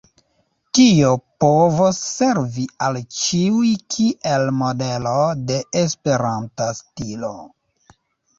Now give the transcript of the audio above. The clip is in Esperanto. Tio povos servi al ĉiuj kiel modelo de esperanta stilo.